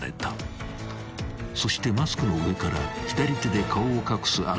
［そしてマスクの上から左手で顔を隠す